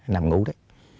nằm ngủ đó